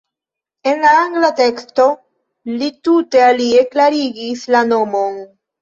En la angla teksto li tute alie klarigis la nomon.